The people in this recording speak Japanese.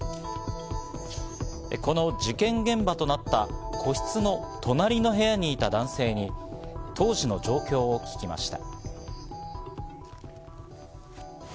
この事件現場となった個室の隣の部屋にいた男性に当時の状況を聞きました。